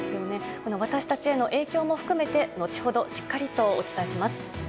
私たちへの影響も含めて後ほどしっかりとお伝えします。